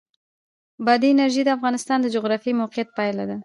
بادي انرژي د افغانستان د جغرافیایي موقیعت پایله ده.